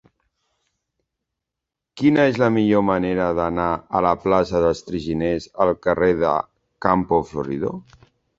Quina és la millor manera d'anar de la plaça dels Traginers al carrer de Campo Florido?